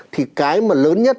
thì cái mà lớn nhất